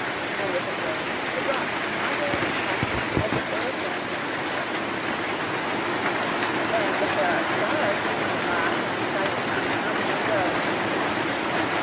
And if it rains, the drops patter and patter as if they were saying something nice. Then if there are stars, you can lie and try to count how many go into the patch.